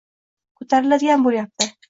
ko‘tariladigan bo‘lyapti.